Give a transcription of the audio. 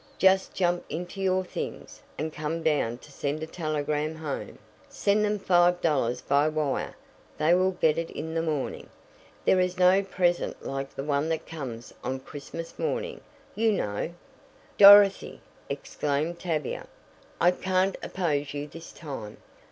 Just jump into your things, and come down to send a telegram home. Send them five dollars by wire they will get it in the morning. There is no present like the one that comes on Christmas morning, you know." "Dorothy!" exclaimed Tavia, "I can't oppose you this time.